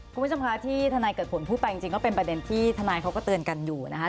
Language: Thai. คุณผู้ชมคะที่ทนายเกิดผลพูดไปจริงก็เป็นประเด็นที่ทนายเขาก็เตือนกันอยู่นะคะ